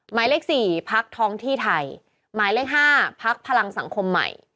หมายเลข๔พักท้องที่ไทยหมายเลข๕พักพลังสังคมใหม่